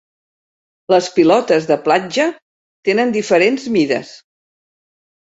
Les pilotes de platja tenen diferents mides.